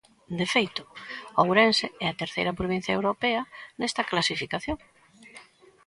De feito, Ourense é a terceira provincia europea nesta clasificación.